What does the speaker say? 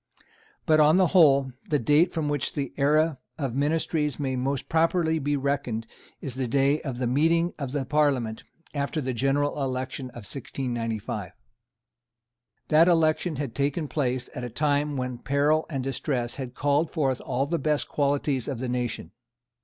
But, on the whole, the date from which the era of ministries may most properly be reckoned is the day of the meeting of the Parliament after the general election of 1695. That election had taken place at a time when peril and distress had called forth all the best qualities of the nation.